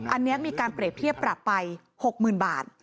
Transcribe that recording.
อันนี้มีการเปรียบเทียบปรับไป๖๐๐๐บาท